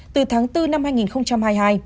từ tháng bốn năm hai nghìn hai mươi hai